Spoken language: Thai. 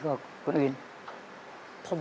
ขอบคุณครับ